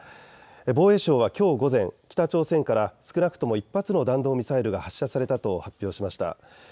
防衛省はきょう午前、北朝鮮から少なくとも１発の弾道ミサイルが発射されたと発表しました。